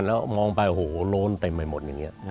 แล้วมองไปโอ้โหโน้นเต็มไปหมดอย่างนี้